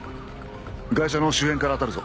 ガイシャの周辺から当たるぞ。